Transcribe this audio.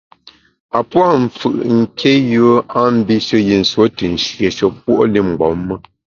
A pua’ mfù’ nké yùe a mbishe yi nsuo te nshieshe puo’ li mgbom me.